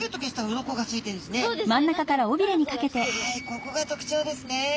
ここが特徴ですね。